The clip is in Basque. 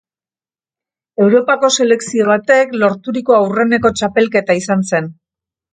Europako selekzio batek lorturiko aurreneko txapelketa izan zen.